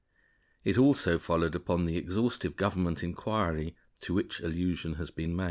It also followed upon the exhaustive Government inquiry to which allusion has been made.